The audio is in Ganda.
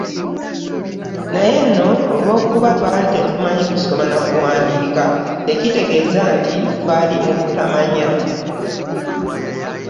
Naye nno olw’okuba twali tetumanyi kusoma na kuwandiika tekitegeeza nti twali mu butamanya.